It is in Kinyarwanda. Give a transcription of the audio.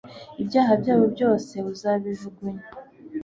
ibyaha byabo byose uzabijugunya